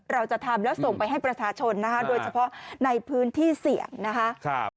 เราจะทำแล้วส่งไปให้ประชาชนนะคะโดยเฉพาะในพื้นที่เสี่ยงนะคะ